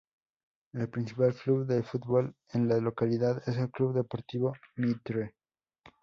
El principal club de fútbol en la localidad es el "Club Deportivo Mitre".